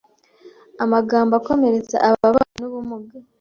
Amagambo akomeretsa ababana n’ubumuga